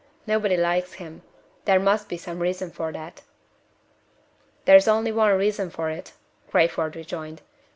Nobody likes him there must be some reason for that." "There is only one reason for it," Crayford rejoined.